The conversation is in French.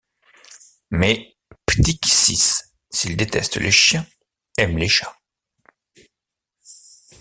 Mais P’tit Ciss, s’il déteste les chiens, aime les chats.